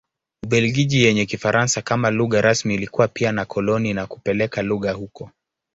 Ubelgiji yenye Kifaransa kama lugha rasmi ilikuwa pia na koloni na kupeleka lugha huko.